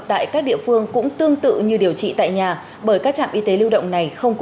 tại các địa phương cũng tương tự như điều trị tại nhà bởi các trạm y tế lưu động này không có